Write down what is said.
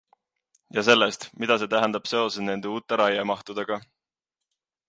Ja sellest, mida see tähendab seoses nende uute raiemahtudega...